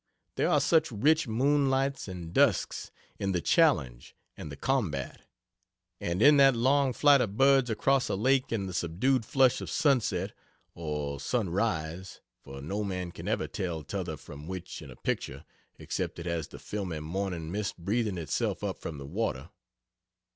There are such rich moonlights and dusks in "The Challenge" and "The Combat;" and in that long flight of birds across a lake in the subdued flush of sunset (or sunrise for no man can ever tell tother from which in a picture, except it has the filmy morning mist breathing itself up from the water).